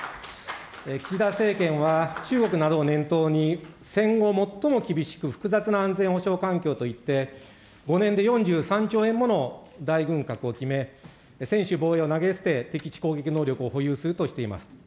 岸田政権は中国などを念頭に、戦後最も厳しく、複雑な安全保障環境と言って、５年で４３兆円もの大軍拡を決め、専守防衛を投げ捨て、敵基地攻撃能力を保有するとしています。